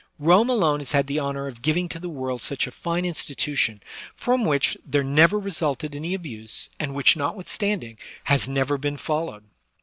Rome alone has had the honor of giving to the world such a fine institution, from which there never re sulted any abuse, and which, notwithstanding, has never been followed.